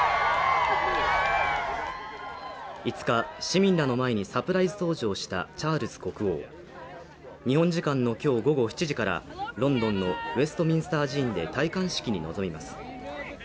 ５日、市民らの前にサプライズ登場したチャールズ国王日本時間の今日午後７時からロンドンのウェストミンスター寺院で戴冠式に臨みます。